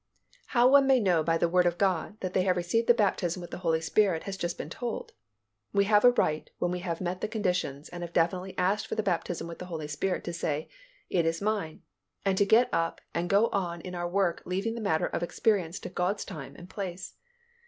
How one may know by the Word of God that they have received the baptism with the Holy Spirit has just been told. We have a right when we have met the conditions and have definitely asked for the baptism with the Holy Spirit to say, "It is mine," and to get up and go on in our work leaving the matter of experience to God's time and place.